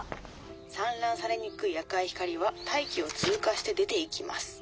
「散乱されにくい赤い光は大気を通過して出ていきます。